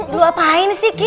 lu apain sih ki